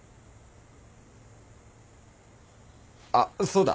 あっそうだ。